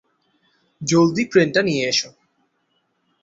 জলদি ক্রেনটা নিয়ে এসো।